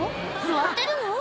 座ってるの？